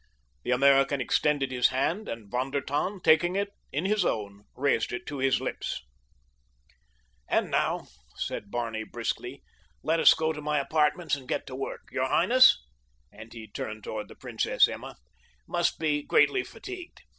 The American extended his hand, and Von der Tann, taking it in his own, raised it to his lips. "And now," said Barney briskly, "let us go to my apartments and get to work. Your highness"—and he turned toward the Princess Emma—"must be greatly fatigued.